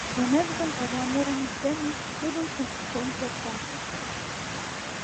— Шонет гын, эрла Муромец дене шудым шупшыктен кертат.